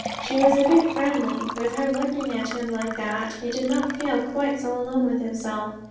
She was a bit friendly. With her looking at him like that he did not feel quite so alone with himself.